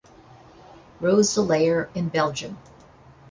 Roeselare in Belgium.